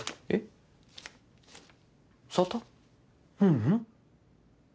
ううん。